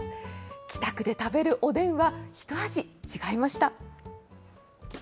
北区で食べるおでんは、ひと味違いました。